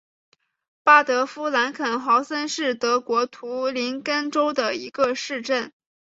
巴德夫兰肯豪森是德国图林根州的一个市镇。